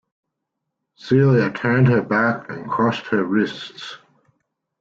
Celia turned her back and crossed her wrists.